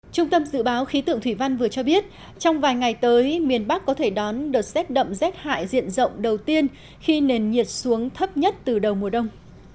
trung tâm dự báo khí tượng thủy văn vừa cho biết trong vài ngày tới miền bắc có thể đón đợt rét đậm rét hại diện rộng đầu tiên khi nền nhiệt xuống thấp nhất từ đầu mùa đông